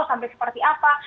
sampai seperti apa